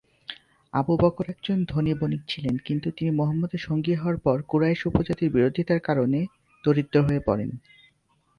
Abu Bakr একজন ধনী বণিক ছিলেন কিন্তু তিনি মুহাম্মাদের সঙ্গী হওয়ার পর কুরাইশ উপজাতির বিরোধিতার কারণে তিনি দরিদ্র হয়ে পড়েন।